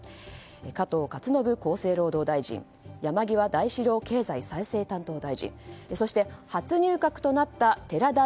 加藤勝信厚生労働大臣山際大志郎経済再生担当大臣そして初入閣となった寺田稔